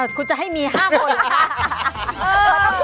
เอ่อกูจะให้มี๕คนค่ะ